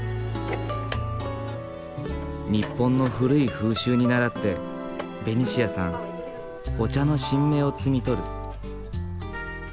日本の古い風習にならってベニシアさんお茶の新芽を摘み取る。